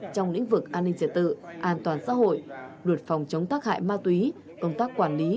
trong lĩnh vực an ninh trật tự an toàn xã hội luật phòng chống tác hại ma túy công tác quản lý